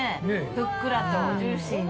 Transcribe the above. ふっくらとジューシーに。